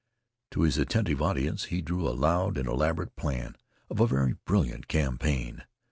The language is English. To his attentive audience he drew a loud and elaborate plan of a very brilliant campaign.